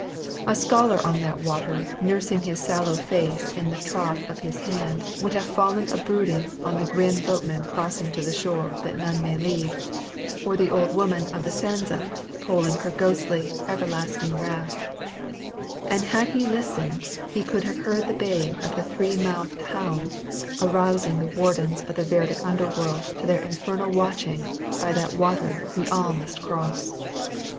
A scholar on that water nursing his sallow face in the trough of his hand would have fallen a brooding on the grim boatman crossing to the shore that none may leave, or the old woman of the Sanza, poling her ghostly, everlasting raft; and had he listened, he could have heard the baying of the three mouthed hound arousing the wardens of the Vedic Underworld to their infernal watching by that water we all must cross.